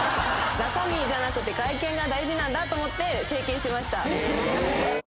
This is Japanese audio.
中身じゃなくて外見が大事なんだと思って整形しました。